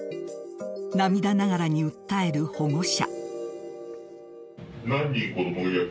涙ながらに訴える保護者。